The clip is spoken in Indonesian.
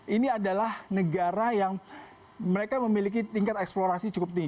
ini adalah negara yang mereka memiliki tingkat eksplorasi cukup tinggi